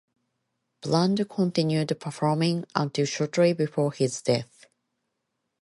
Bland continued performing until shortly before his death.